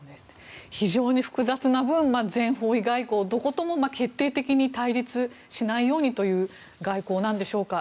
非常に複雑な分全方位外交どことも決定的に対立しないようにという外交なんでしょうか。